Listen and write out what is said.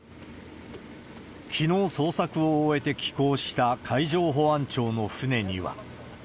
きのう捜索を終えて帰港した海上保安庁の船には。